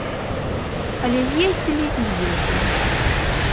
Але з'ездзілі і з'ездзілі.